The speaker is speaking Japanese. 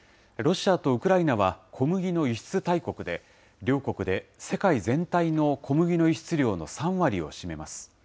ロシアとウクライナは小麦の輸出大国で、両国で世界全体の小麦の輸出量の３割を占めます。